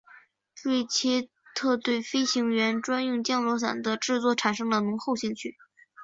瑞切特对飞行员专用降落伞的制作产生了浓厚兴趣。